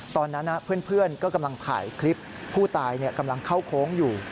ตอนนั้นเพื่อนก็กำลังถ่ายคลิปผู้ตายกำลังเข้าโค้งอยู่